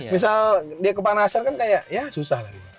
misal dia kepanasan ya susah